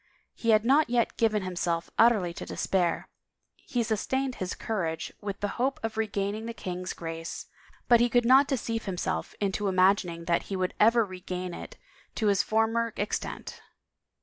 He had not yet given him self utterly to despair ; he sustained his courage with the hope of regaining the king's grace, but he could not deceive himself into imagining that he would ever regain it to his former extent.